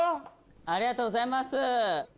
ありがとうございます。